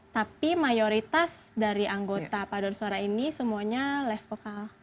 tapi mayoritas dari anggota paduan suara ini semuanya less vokal